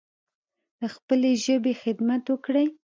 د خپلې ژبې خدمت وکړﺉ